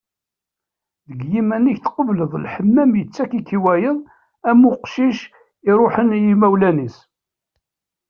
Deg yiman-ik tqebleḍ Lḥemmam, yettak-ik i wayeḍ am uqcic iruḥen i yimawlan.